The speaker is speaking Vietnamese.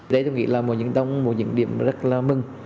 đây tôi nghĩ là một những điểm rất là mừng